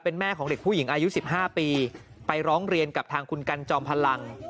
เป็นแม่ของเด็กผู้หญิงอายุ๑๕ปีไปร้องเรียนกับทางคุณกันจอมพลัง